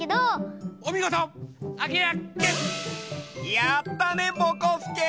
やったねぼこすけ！